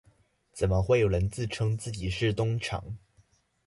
怎麼會有人自稱自己是東廠？